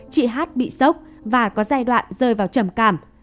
chị hát bị sốc và có giai đoạn rơi vào trầm cảm